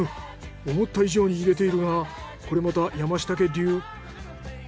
思った以上に入れているがこれまた山下家流。